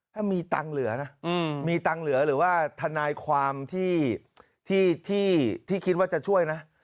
ถ้ามีตังค์เหลือนะมีตังค์เหลือหรือว่าทนายความที่คิดว่าจะช่วยนะ